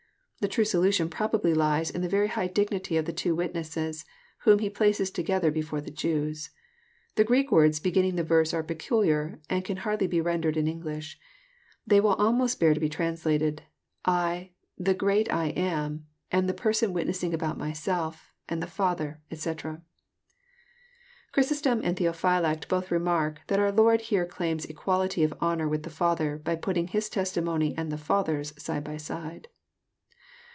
The true solution probably lies in the very high dignity of the two witnesses, whom He places together before the Jews. The Greek words beginning the verse are peculiar, and can hardly be rendered in' English. They will almost bear to be translated, —" I, the great I am, am the person witnessing about myself; and the Father," etc. Ohrysostom and Theophylact both remark that our Lord here claims equality of honour with the Father, by putting His testi mony and the Father's side by side.